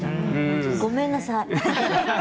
ごめんなさい。